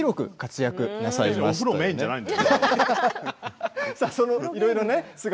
別にお風呂メインじゃないので。